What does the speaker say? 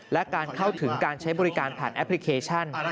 และการเข้าถึงการใช้บริการผ่านแอปพลิเคชัน